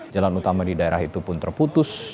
jalan utama di daerah itu pun terputus